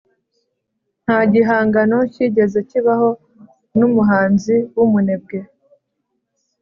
"nta gihangano cyigeze kibaho n'umuhanzi w'umunebwe."